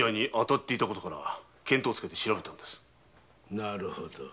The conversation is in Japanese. なるほど。